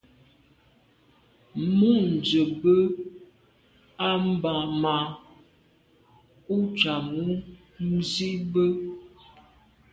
Mû’ndə̀ bù à’ mà’ ú cá ú zî bə́.